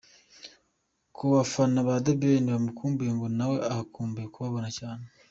Ku bafana ba The Ben bamukumbuye ngo nawe akumbuye kubabona cyane .